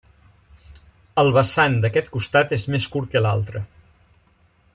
El vessant d'aquest costat és més curt que l'altre.